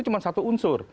cuma satu unsur